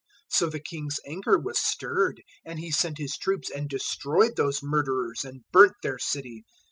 022:007 So the king's anger was stirred, and he sent his troops and destroyed those murderers and burnt their city.